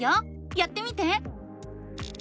やってみて！